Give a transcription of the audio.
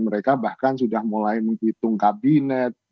mereka bahkan sudah mulai menghitung kabinet